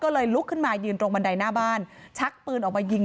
นายสาราวุธคนก่อเหตุอยู่ที่บ้านกับนางสาวสุกัญญาก็คือภรรยาเขาอะนะคะ